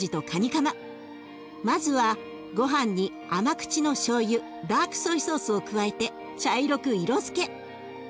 まずはごはんに甘口のしょうゆダークソイソースを加えて茶色く色づけ。